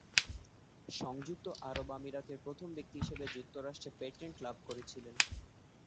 সংযুক্ত আরব আমিরাতের প্রথম ব্যক্তি হিসেবে যুক্তরাষ্ট্রে পেটেন্ট লাভ করেছিলেন।